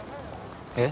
えっ？